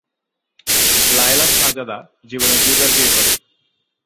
লায়লা শাহজাদা জীবনে দুই বার বিয়ে করেন।